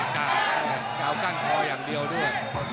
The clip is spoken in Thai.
ก้าวก้านคออย่างเดียวด้วย